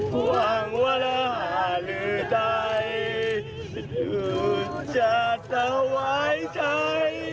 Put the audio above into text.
ขอพระองค์เจ้าเด็ดสู่จวันคาลัย